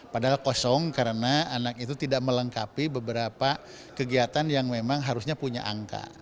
padahal kosong karena anak itu tidak melengkapi beberapa kegiatan yang memang harusnya punya angka